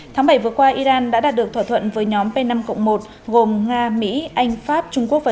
tháng bảy vừa qua iran đã đạt được thỏa thuận với nhóm p năm một gồm nga mỹ anh pháp trung quốc và